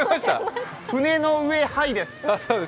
船の上ハイです。